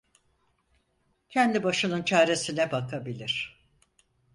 Kendi başının çaresine bakabilir.